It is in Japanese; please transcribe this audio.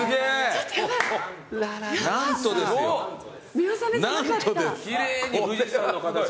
見納めじゃなかった。